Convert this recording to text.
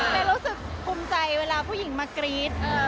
เป็นรู้สึกภูมิใจเวลาผู้หญิงมากรี๊ด